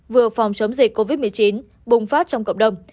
vừa phòng chống dịch covid một mươi chín bùng phát trong cộng đồng